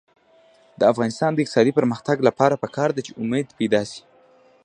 د افغانستان د اقتصادي پرمختګ لپاره پکار ده چې امید پیدا شي.